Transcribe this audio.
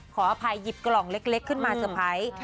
ขออภัยหยิบกล่องเล็กขึ้นมาเตอร์ไพรส์